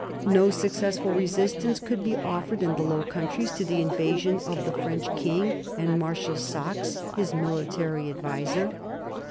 No successful resistance could be offered in the Low Countries to the invasion of the French king and Marshal Saxe, his military adviser.